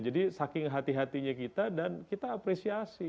jadi saking hati hatinya kita dan kita apresiasi